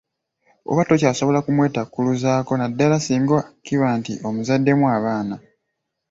Oba tokyasobola kumwetakkuluzaako naddala singa kiba nti omuzaddemu abaana.